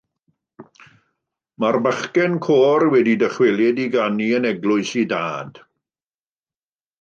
Mae'r bachgen côr wedi dychwelyd i ganu yn eglwys ei dad.